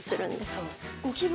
そう。